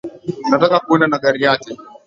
Nataka kuenda na gari yake